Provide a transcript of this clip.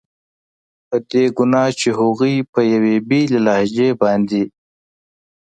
په دې ګناه چې هغوی په یوې بېلې لهجې باندې.